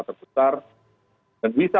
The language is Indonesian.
terbesar dan bisa